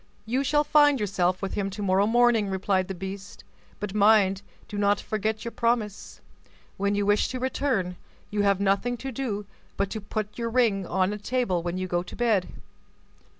"You shall find yourself with him to morrow morning," replied the beast; "but mind, do not forget your promise. When you wish to return, you have nothing to do but to put your ring on a table when you go to bed.